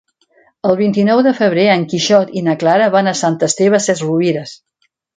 El vint-i-nou de febrer en Quixot i na Clara van a Sant Esteve Sesrovires.